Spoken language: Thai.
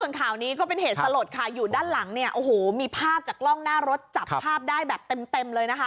ส่วนข่าวนี้ก็เป็นเหตุสลดค่ะอยู่ด้านหลังเนี่ยโอ้โหมีภาพจากกล้องหน้ารถจับภาพได้แบบเต็มเต็มเลยนะคะ